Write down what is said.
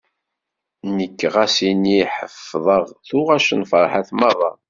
Nekk ɣas ini ḥefḍeɣ tuɣac n Ferḥat merra.